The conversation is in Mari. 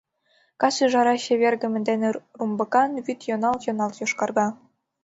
Кас ӱжара чевергыме дене румбыкан вӱд йоналт-йоналт йошкарга.